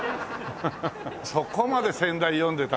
そこまで先代読んでたんだね。